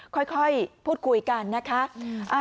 ค่อยพูดคุยกันนะคะ